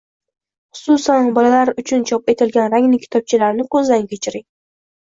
xususan, bolalar uchun chop etilgan rangli kitobchalarni ko‘zdan kechiring.